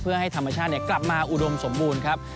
เพื่อให้ธรรมชาติกลับมาอุดมสมบูรณ์ครับ